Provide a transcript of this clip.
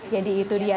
jadi itu dia